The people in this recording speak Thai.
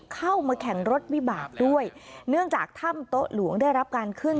เข้ามาแข่งรถวิบากด้วยเนื่องจากถ้ำโต๊ะหลวงได้รับการขึ้น